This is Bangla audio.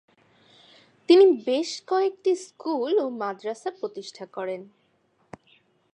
তিনি বেশ কয়েকটি স্কুল ও মাদ্রাসা প্রতিষ্ঠা করেন।